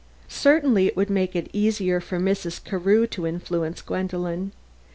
Certainly it would make it easier for Mrs. Carew to influence Gwendolen.